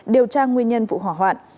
điều tra nguyên nhân vụ hỏa hoạn